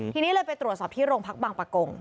ทีนี้เลยไปตรวจสอบที่โรงพักบางประกง